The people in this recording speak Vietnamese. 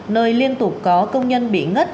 nơi liên tục có công nhân bị ngất